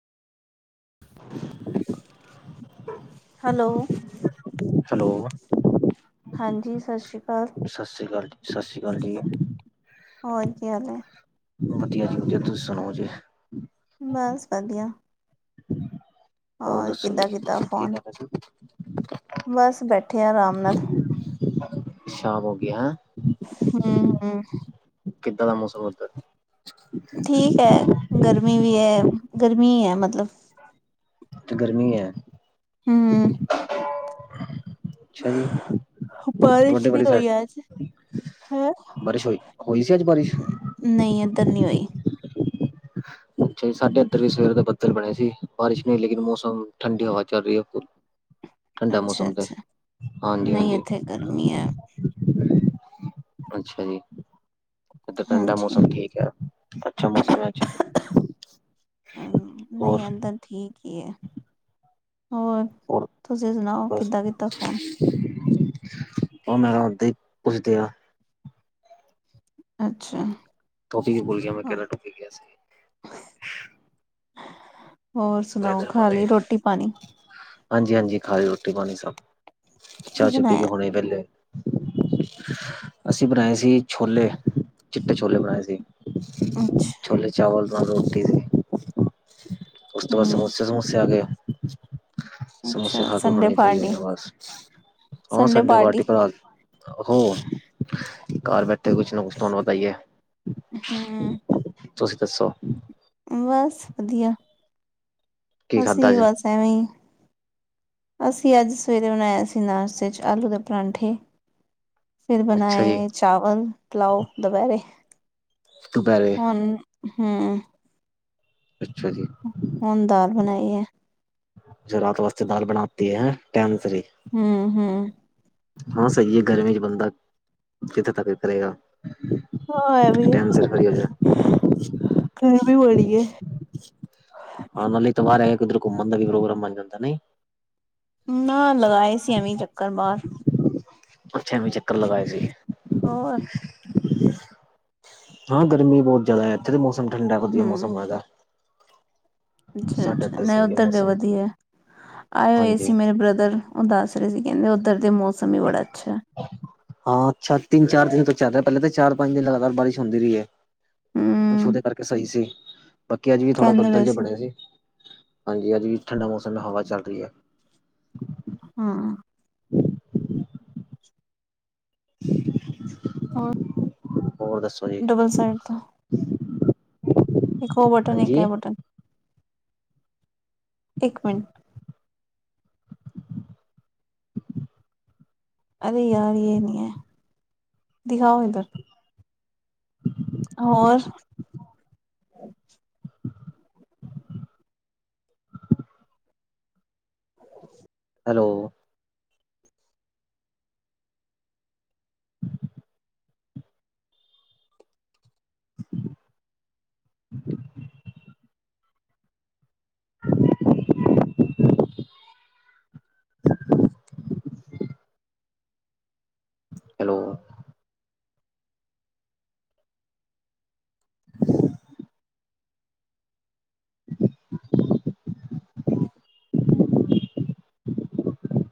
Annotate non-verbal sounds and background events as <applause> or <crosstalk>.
<inaudible> Hello. Hello. ਹਾਂਜੀ, ਸਤਿ ਸ਼੍ਰੀ ਅਕਾਲ। ਸਤਿ ਸ੍ਰੀ ਅਕਾਲ, ਸਤਿ ਸ਼੍ਰੀ ਅਕਾਲ ਜੀ। ਹੋਰ ਕੀ ਹਾਲ ਐ? ਵਧੀਆ ਜੀ ਵਧੀਆ ਤੁਸੀ ਸੁਣਾਓ ਜੀ। ਬਸ ਵਧੀਆ। ਹੋਰ ਦੱਸੋ ਕਿੱਦਾਂ ਜੀ, ਕੀਤਾ ਕੀ ਫੋਨ ਕਰਰੇ ਸੀ? ਬਸ, ਬੈਠੇ ਆਂ ਅਰਾਮ ਨਾਲ। ਸ਼ਾਮ ਹੋ ਗੀ ਹੈਂ। ਹੂੰ ਹੂੰ। ਕਿੱਦਾਂ ਦਾ ਮੌਸਮ ਓਧਰ? ਠੀਕ ਐ। ਗਰਮੀ ਵੀ ਐ ਗਰਮੀ ਐ ਮਤਲਬ। ਤੇ ਗਰਮੀ ਐ। ਹੂੰ। ਅੱਛਾ ਜੀ। ਤੁਆਡੇ ਬਾਰਿਸ਼ ਨਹੀਂ ਵਾਲੀ ਹੋਈ ਸੈਡ ਅੱਜ ਹੈਂ ਬਾਰਿਸ਼ ਹੋਈ। ਹੋਈ ਸੀ ਅੱਜ ਬਾਰਿਸ਼? ਨਈ ਏਧਰ ਨੀ ਹੋਈ। ਅੱਛਾ ਜੀ, ਸਾਢੇ ਏਧਰ ਵੀ ਸਵੇਰ ਦੇ ਬਦਲ ਬਣੇ ਸੀ ਬਾਰਿਸ਼ ਨੀ ਲੇਕਿਨ ਮੌਸਮ ਠੰਡੀ ਹਵਾ ਚੱਲ ਰੀਏ ਖੂਬ। ਠੰਡਾ ਅੱਛਾ ਮੌਸਮ ਤੇ ਅੱਛਾ ਹਾਂਜੀ ਨਹੀਂ ਹਾਂਜੀ। ਇੱਥੇ ਗਰਮੀ ਹੈ ਅੱਛਾ ਜੀ। ਏਦਰ ਠੰਡਾ ਹਾਂਜੀ ਮੌਸਮ ਠੀਕ ਐ। ਅੱਛਾ ਮੌਸਮ ਐ ਅੱਜ। ਅ ਨਈ ਹੋਰ ਏਧਰ ਠੀਕ ਈ ਏ। ਹੋਰ ਬਸ। ਕਿੱਦਾਂ ਕੀਤਾ ਫੋਨ ਓ ਮੈਂ ਓਦਾਂ ਈ ਪੁੱਛਦੇ ਆ। ਅੱਛਾ। ਟੋਪਿਕ ਈ ਭੁਲ ਗੇਆ ਮੈਂ ਕੇੜਾ ਟੋਪੀਕ ਲੇਆ ਸੀ। ਹੋਰ ਸੁਨਾਓ ਖਾ ਲਈ ਰੋਟੀ ਪਾਣੀ ਹਾਂਜੀ ਹਾਂਜੀ, ਖਾਲੀ ਰੋਟੀ ਪਾਣੀ ਸਭ। ਕੀ ਚਾ ਚੁ ਪੀ ਕੇ ਬਣਾਇਆ ਹੋਣੀ ਵੇਲੇ। ਅਸੀ ਬਨਾਏ ਸੀ ਛੋਲੇ, ਚਿੱਟੇ ਛੋਲੇ ਬਣਾਏ ਸੀ। ਅੱਛਾ ਛੋਲੇ ਚਾਵਲ ਨਾਲ ਰੋਟੀ ਸੀ। ਓਸ ਤੋਂ ਬਾਦ ਹਮ ਸਮੋਸੇ ਸਮੂਸੇ ਆ ਗਏ। ਅੱਛਾ ਸਮੋਸੇ ਖਾ ਕੇ ਸੰਡੇ ਹੋਣੇ ਹੀ ਪਾਈ ਪਾਰਟੀ ਹੋ ਬਸ, ਹ ਸੰਡੇ ਪਾਰਟੀ ਭਰਾ ਹੋ ਘਰ ਬੈਠੇ ਕੁਛ ਨਾ ਕੁਛ ਤਾਨੂੰ ਬਤਾਈਏ। ਹੂੰ ਤੁਸੀ ਦੱਸੋ? ਬਸ ਵੱਧੀਆ। ਕੀ ਅਸੀ ਖਾਧਾ ਵੀ ਅੱਜ ਬਸ ਐਵੇਂ ਅਸੀਂ ਅੱਜ ਸਵੇਰੇ ਬਣਾਇਆ ਸੀ ਨਾਸ਼ਤੇ 'ਚ ਆਲੂ ਦੇ ਪਰੋਂਠੇ। ਫਿਰ ਅੱਛਾ ਜੀ ਬਣਾਏ ਚਾਵਲ ਪਲਾਓ ਦੁਪੈਰੇ, ਦੁਪਹਿਰੇ ਹੁਣ ਹੂੰ ਅੱਛਾ ਜੀ। ਹੁਣ ਦਾਲ ਬਣਾਈ ਆ। ਜੋ ਰਾਤ ਵਾਸਤੇ ਦਾਲ ਬਣਾਤੀ ਹੈ ਟਾਇਮ ਸਿਰੇ ਹੂੰ-ਹੂੰ। ਹਾਂ ਸਹੀ ਆ ਗਰਮੀ ਚ ਬੰਦਾ, ਕਿੱਥੇ ਤੱਕ ਵੀ ਕਰੇਗਾ। ਹਾਂ ਐ ਵੀ ਹੈ। ਦੋ ਸਿਰਫ ਹੋ ਗੇਆ। ਗਰਮੀ ਬੜੀ ਹੈ ਹਾਂ ਨਾਲੇ ਇਤਵਾਰ ਐ ਕਿੱਧਰੇ ਘੁੰਮਣ ਦਾ ਵੀ ਪ੍ਰੋਗਰਾਮ ਬਣ ਜਾਂਦਾ ਨੇ। ਨਾ ਲਗਾ ਆਈ ਸੀ ਐਵੇਂ ਚੱਕਰ ਬਾਰ ਅੱਛਾ ਐਵੀਂ ਚੱਕਰ ਲਗਾਏ ਸੀ। ਹੋਰ ਹਾਂ ਗਰਮੀ ਬੋਤ ਜ਼ਾਦਾ ਇੱਥੇ ਵੀ ਮੌਸਮ ਠੰਡਾ ਵੱਧੀਆ ਹੂੰ ਮੌਸਮ ਹੈਗਾ। ਅੱਛਾ ਸਾਡੇ -ਅੱਛਾ ਇੱਧਰ ਨਾਂ ਸਹੀ ਹੈ ਓਧਰ ਦਾ ਮੌਸਮ ਵਧੀਆ, ਆਏ ਹੋਏ ਹਾਂਜੀ ਸੀ ਮੇਰੇ ਬ੍ਰਦਰ ਓ ਦੱਸ ਰਏ ਸੀ ਕੇਂਦੇ ਓਧਰ ਦੇ ਮੌਸਮ ਬੜਾ ਅੱਛਾ। ਹਾਂ ਅੱਛਾ ਤਿੰਨ -ਚਾਰ ਦਿਨ ਤੋਂ ਚੱਲ ਰੇਆ ਪੇਲੇ ਤਾਂ ਚਾਰ -ਪੰਜ ਦਿਨ ਲਗਾਤਾਰ ਬਾਰਿਸ਼ ਹੁੰਦੀ ਰਈ ਏ। ਕੁਛ ਹੂੰ ਓਦੇ ਕਰਕੇ ਸਹੀ ਸੀ, ਬਾਕੀ ਅੱਜ ਵੀ ਥੋੜ੍ਹਾ ਕਹਿੰਦੇ ਪਏ ਬੱਦਲ ਜੇ ਬਣੇ ਸੀ। ਹਾਂਜੀ ਅੱਜ ਵੀ ਠੰਡਾ ਮੌਸਮ ਹਵਾ ਚੱਲ ਰਈ ਐ। ਹਾਂ ਹੋਰ? ਹੋਰ ਦੱਸੋ? ਜੀ ਡਬਲ ਸਾਈਡ ਤੋਂ <inaudible> ਇੱਕ ਓ ਬਟਨ ਏ ਇੱਕ ਹਾਂਜੀ ਏ ਬਟਨ ਇੱਕ ਮਿੰਟ ਅਰੇ ਯਾਰ ਯੇ ਨੀ ਆ ਦਿਖਾਓ ਏਧਰ। ਹੋਰ? ਅੱਛਾ। <inaudible> Hello <inaudible> <inaudible> <inaudible> hello <inaudible> <inaudible>